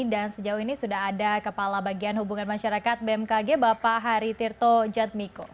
dan sejauh ini sudah ada kepala bagian hubungan masyarakat bmkg bapak hari tirto jatmiko